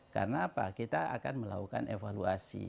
karena apa kita akan melakukan evaluasi